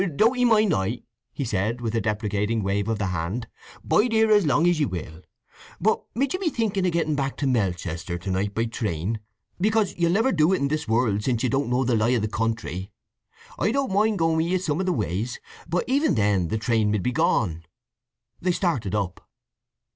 "Don't 'ee mind I," he said with a deprecating wave of the hand; "bide here as long as ye will. But mid you be thinking o' getting back to Melchester to night by train? Because you'll never do it in this world, since you don't know the lie of the country. I don't mind going with ye some o' the ways, but even then the train mid be gone." They started up.